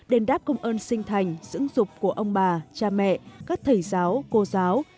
đền đáp công ơn sinh thành dưỡng dục của ông bà cha mẹ các thầy giáo cô giáo